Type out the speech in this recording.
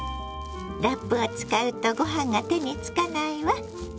ラップを使うとご飯が手につかないわ。